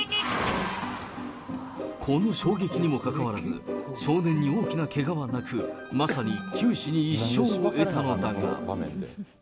この衝撃にもかかわらず、少年に大きなけがはなく、まさに九死に一生を得たのだが。